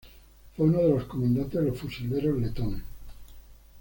Fue uno de los comandantes de los fusileros letones.